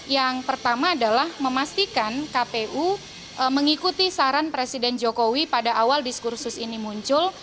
yang pertama adalah memastikan kpu mengikuti saran presiden jokowi pada awal diskursus ini muncul